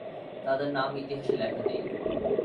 তাদের নাম ইতিহাস লেখা নেই।